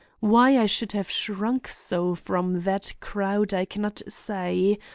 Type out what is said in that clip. Why I should have shrunk so from that crowd I can not say.